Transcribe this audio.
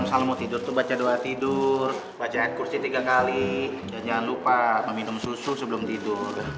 mau tidur tuh baca doa tidur baca kursi tiga kali jangan lupa minum susu sebelum tidur